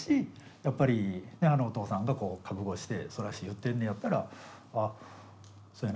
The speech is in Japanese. やっぱりあのお父さんが覚悟してそないして言ってんのやったらそうやな